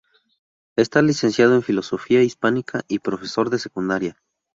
Está licenciado en Filología Hispánica y profesor de Secundaria.